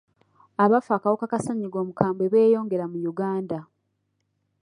Abafa akawuka ka ssennyiga omukambwe beeyongera mu Uganda.